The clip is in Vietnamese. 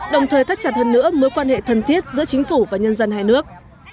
đồng thời thắt chặt hơn nữa mối quan hệ thân thiết giữa chính phủ và nhân dân hai nước